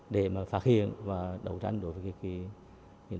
để phát hiện và đấu tranh đối với các lực lượng khác